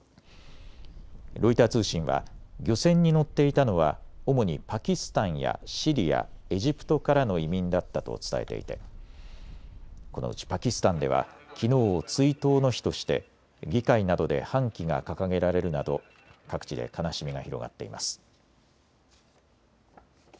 ロイター通信は漁船に乗っていたのは主にパキスタンやシリア、エジプトからの移民だったと伝えていてこのうちパキスタンではきのうを追悼の日として議会などで半旗が掲げられるなど各地で悲しみが広がっています。